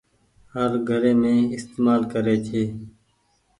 هر گھري مين استهمال ڪري ڇي۔